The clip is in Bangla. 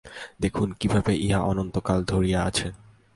দেখুন, কিভাবে ইহা অনন্তকাল ধরিয়া আছে।